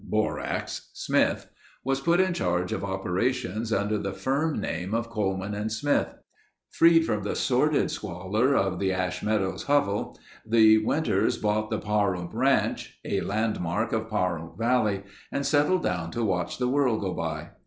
(Borax) Smith was put in charge of operations under the firm name of Coleman and Smith. Freed from the sordid squalor of the Ash Meadows hovel, the Winters bought the Pahrump Ranch, a landmark of Pahrump Valley, and settled down to watch the world go by.